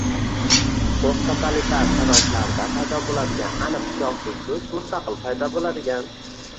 posttotalitar sharoitlarda paydo bo‘ladigan aniq siyosiy kuch mustaqil paydo bo‘ladigan